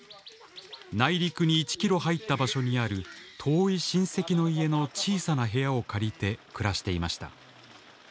内陸に１ｋｍ入った場所にある遠い親戚の家の小さな部屋を借りて暮らしていました。